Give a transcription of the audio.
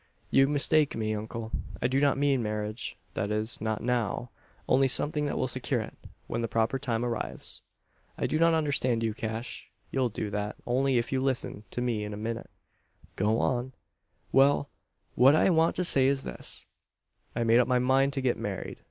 "You mistake me, uncle. I do not mean marriage that is, not now. Only something that will secure it when the proper time arrives." "I do not understand you, Cash." "You'll do that, if you only listen to me a minute." "Go on." "Well; what I want to say is this. I've made up my mind to get married.